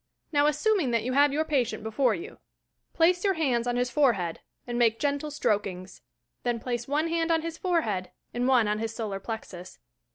Now, assuming that you have your patient before you. Place your hands on his forehead, and make gentle strokings. Then place one hand on his forehead and one on his solar plexus.